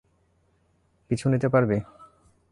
পিছু নিতে পারবি?